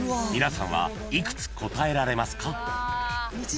［皆さんは幾つ答えられますか？］